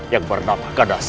yang bernama gadah selu